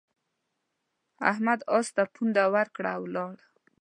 احمد اس ته پونده ورکړه او ولاړ.